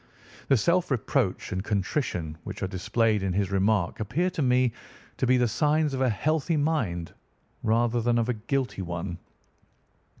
The self reproach and contrition which are displayed in his remark appear to me to be the signs of a healthy mind rather than of a guilty one."